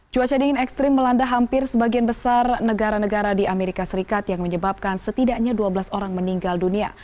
cuaca dingin ekstrim melanda hampir sebagian besar negara negara di amerika serikat yang menyebabkan setidaknya dua belas orang meninggal dunia